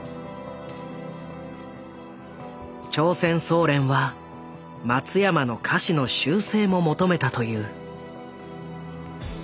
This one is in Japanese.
朝鮮総連は松山の歌詞の修正も求めたという。